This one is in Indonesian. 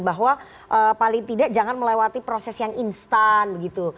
bahwa paling tidak jangan melewati proses yang instan begitu